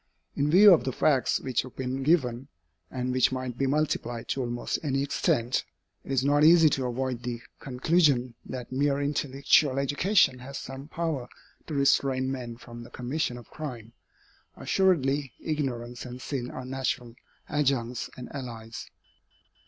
In view of the facts which have been given, and which might be multiplied to almost any extent, it is not easy to avoid the conclusion that mere intellectual education has some power to restrain men from the commission of crime. Assuredly, ignorance and sin are natural adjuncts and allies.